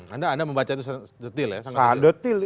anda membaca itu detil ya sangat detail